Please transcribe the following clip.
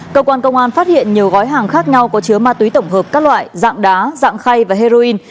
cơ quan công an phát hiện nhiều gói hàng khác nhau có chứa ma túy tổng hợp các loại dạng đá dạng khay và heroin